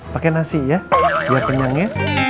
pake nasi ya biar kenyang ya